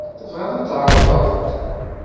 Tebɣiḍ ad tεerḍeḍ-t?